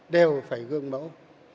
đều phải gương mẫu